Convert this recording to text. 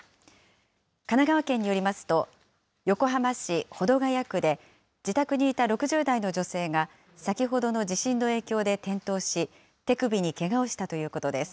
神奈川県によりますと、横浜市保土ケ谷区で自宅にいた６０代の女性が、先ほどの地震の影響で転倒し、手首にけがをしたということです。